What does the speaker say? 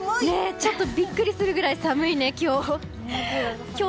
ちょっとビックリするぐらい寒いね、今日。